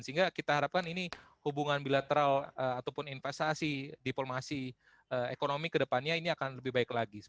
sehingga kita harapkan ini hubungan bilateral ataupun investasi diplomasi ekonomi kedepannya ini akan lebih baik lagi